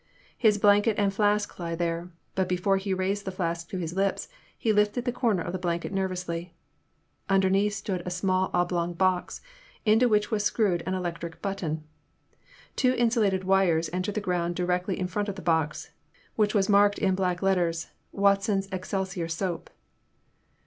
His blanket and flask lay there, but before he raised the flask to his lips he lifted the comer of the blanket nervously. Underneath stood a small oblong box, into which was screwed an electric button. Two insulated wires entered the ground directly in front of the box, which was marked in black letters, Watson's Excelsior Soap.'